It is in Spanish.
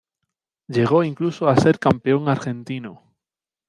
Llegó incluso a ser campeón argentino.